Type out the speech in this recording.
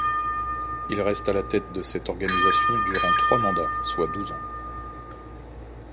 Il reste à la tête de cette organisation durant trois mandats, soit douze ans.